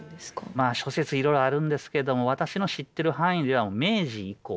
まあ諸説いろいろあるんですけども私の知ってる範囲では明治以降。